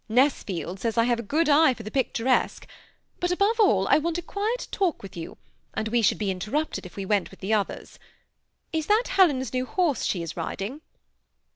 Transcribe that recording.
Nesfield says I have a good eye for the picturesque ; but above all, I want a quiet talk with you, and we should be interrupted if we went with the others. Is that Helen's new horse she is riding